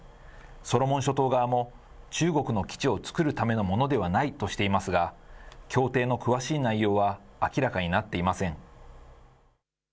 ソロモン諸島側も、中国の基地を作るためのものではないとしていますが、協定の詳しい内容は明らかになっていません。